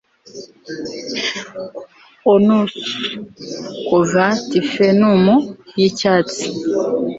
Aunus kuva Tifernum yicyatsi